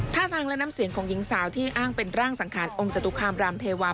ท่าทางและน้ำเสียงของหญิงสาวที่อ้างเป็นร่างสังขารองค์จตุคามรามเทวา